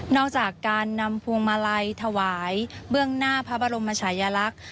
จากการนำพวงมาลัยถวายเบื้องหน้าพระบรมชายลักษณ์